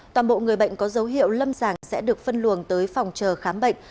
toàn bộ người bệnh có dấu hiệu lâm sàng sẽ được phân luồng tới phòng chờ khám bệnh